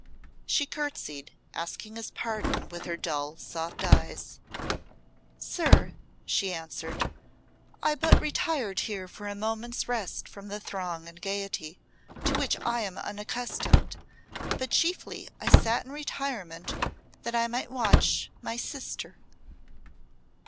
She curtseyed, asking his pardon with her dull, soft eyes. "Sir," she answered, "I but retired here for a moment's rest from the throng and gaiety, to which I am unaccustomed. But chiefly I sat in retirement that I might watch my sister."